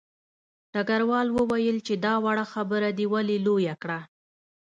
ډګروال وویل چې دا وړه خبره دې ولې لویه کړه